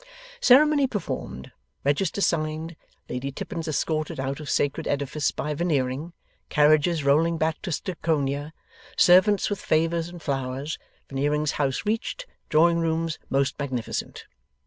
Ceremony performed, register signed, Lady Tippins escorted out of sacred edifice by Veneering, carriages rolling back to Stucconia, servants with favours and flowers, Veneering's house reached, drawing rooms most magnificent.